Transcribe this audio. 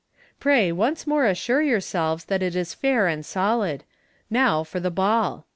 " Pray once more assure yourselves that MODERN MA GIC. 363 h is fair and solid. Now for the ball."